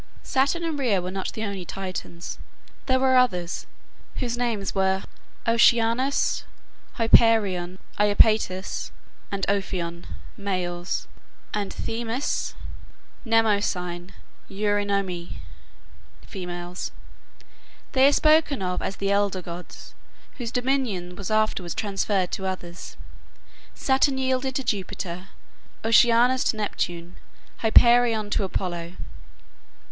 Saturn and Rhea were not the only Titans. There were others, whose names were Oceanus, Hyperion, Iapetus, and Ophion, males; and Themis, Mnemosyne, Eurynome, females. They are spoken of as the elder gods, whose dominion was afterwards transferred to others. Saturn yielded to Jupiter, Oceanus to Neptune, Hyperion to Apollo.